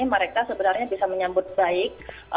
mereka sebenarnya bisa menyambut baik